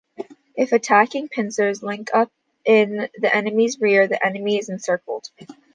If attacking pincers link up in the enemy's rear, the enemy is encircled.